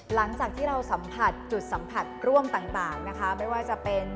หลังจากที่เราสัมผัสจุดสัมผัสร่วมต่างนะคะไม่ว่าจะเป็น